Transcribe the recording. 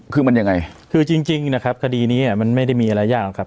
คือมันยังไงคือจริงนะครับคดีนี้มันไม่ได้มีอะไรยากหรอกครับ